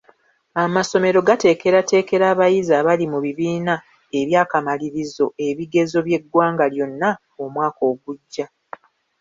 Amasomero gateekerateekera abayizi abali mu bibiina eby'akamalirizo ebigezo by'eggwanga lyonna omwaka ogujja.